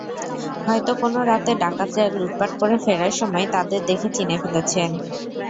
হয়তো কোনো রাতে ডাকাতরা লুটপাট করে ফেরার সময় তাদের দেখে চিনে ফেলেছেন।